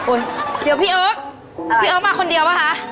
เดี๋ยวพี่เอิ๊กพี่เอิ๊กมาคนเดียวป่ะคะ